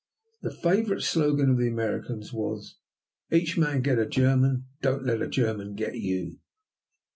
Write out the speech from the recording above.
The favorite slogan of the Americans was: "Each man get a German; don't let a German get you."